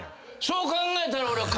そう考えたら俺は。